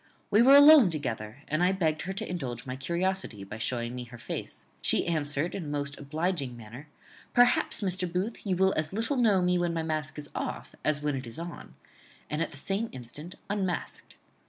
We were alone together, and I begged her to indulge my curiosity by showing me her face. She answered in a most obliging manner, 'Perhaps, Mr. Booth, you will as little know me when my mask is off as when it is on;' and at the same instant unmasked.